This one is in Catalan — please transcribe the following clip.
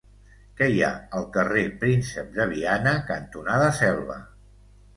Què hi ha al carrer Príncep de Viana cantonada Selva?